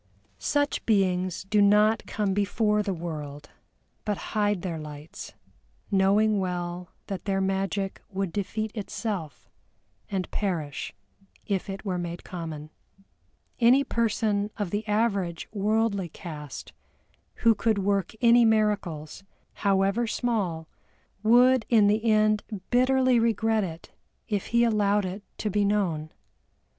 Such beings do not come before the world, but hide their lights, knowing well that their magic would defeat itself, and perish if it were made common. Any person of the average worldly cast who could work any miracles, however small, would in the end bitterly regret it if he allowed it to be known.